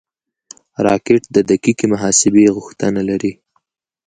راکټ د دقیقې محاسبې غوښتنه لري